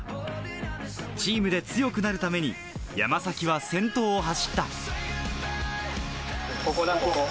チームで強くなるために山崎は先頭を走った。